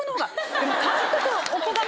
でも監督。